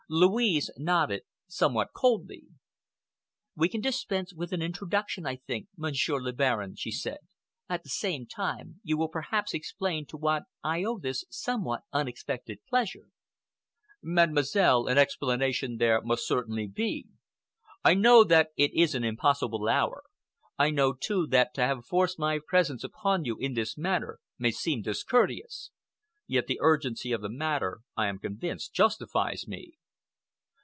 Louise nodded, somewhat coldly. "We can dispense with an introduction, I think, Monsieur le Baron," she said. "At the same time, you will perhaps explain to what I owe this somewhat unexpected pleasure?" "Mademoiselle, an explanation there must certainly be. I know that it is an impossible hour. I know, too, that to have forced my presence upon you in this manner may seem discourteous. Yet the urgency of the matter, I am convinced, justifies me."